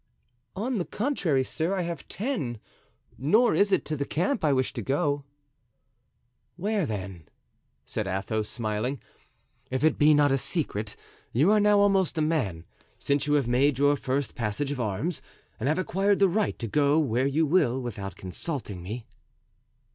"On the contrary, sir, I have ten; nor is it to the camp I wish to go." "Where, then?" said Athos, smiling, "if it be not a secret. You are now almost a man, since you have made your first passage of arms, and have acquired the right to go where you will without consulting me."